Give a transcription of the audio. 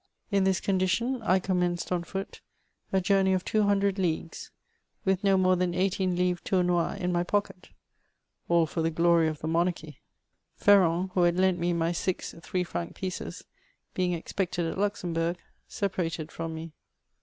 In this condition, I commenced on foot a journey of two hundred leagues, with no more than eighteen livres Toumois in my pocket. All for the glory of the monarchy I Ferron, who bad lent me my six three fr»nc pieces, being expected at Luxembourg, separated from me.